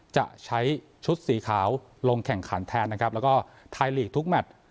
จะใช้ชุดสีขาวลงแข่งขันแทนนะครับแล้วก็ไทยลีกทุกแมท